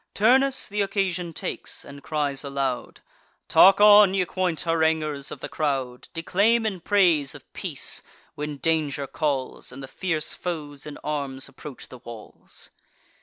Turnus th' occasion takes, and cries aloud: "Talk on, ye quaint haranguers of the crowd: Declaim in praise of peace, when danger calls, And the fierce foes in arms approach the walls."